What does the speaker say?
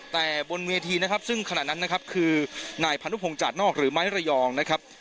แต่บนเวทีนะครับซึ่งขณะนั้นนะครับคือนายพานุพงศาสนอกหรือไม้ระยองนะครับ